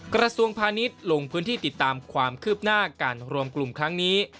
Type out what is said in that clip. กระทรวงพาณิชย์ลงพื้นที่ติดตามความคืบหน้าการรวมกลุ่มครั้งนี้